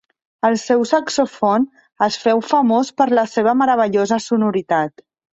Al seu saxofon es féu famós per la seva meravellosa sonoritat.